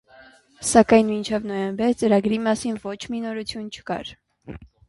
Սակայն մինչև նոյեմբեր ծրագրի մասին ոչ մի նորություն չկար։